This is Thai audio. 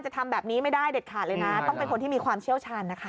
ทำแบบนี้ไม่ได้เด็ดขาดเลยนะต้องเป็นคนที่มีความเชี่ยวชาญนะคะ